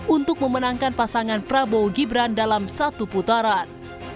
untuk memenangkan pasangan prabowo gibran dalam satu putaran